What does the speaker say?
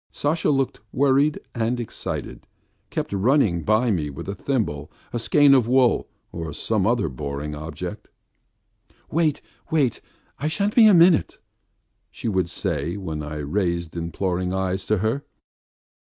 Sasha, looking worried and excited, kept running by me with a thimble, a skein of wool or some other boring object. "Wait, wait, I shan't be a minute," she would say when I raised imploring eyes to her.